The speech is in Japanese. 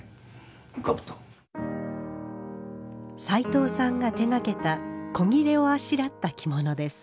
齋藤さんが手がけた古裂をあしらった着物です